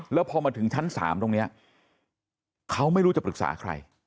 แล้วพอมาถึงชั้น๓ตรงนี้เขาไม่รู้จะปรึกษาใคร